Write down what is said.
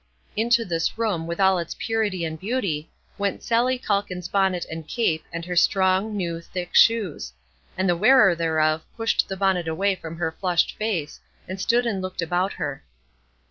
Into this room, in all its purity and beauty, went Sallie Calkins' bonnet and cape and her strong, new, thick shoes; and the wearer thereof pushed the bonnet away from her flushed face, and stood and looked about her.